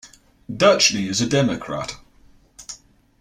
Ducheny is a Democrat.